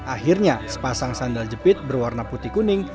akhirnya sepasang sandal jepit berwarna putih kuning